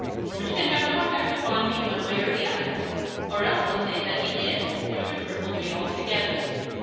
"Which can have no effect upon me one way or the other; or else he'll say that he did, which would cripple me altogether."